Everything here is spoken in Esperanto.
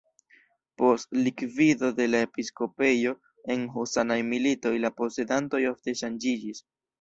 Post likvido de la episkopejo en husanaj militoj la posedantoj ofte ŝanĝiĝis.